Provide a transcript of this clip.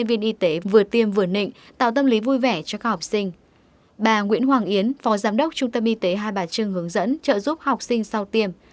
bà nguyễn hoàng yến phó giám đốc trung tâm y tế hai bà trưng hướng dẫn trợ giúp học sinh sau tiêm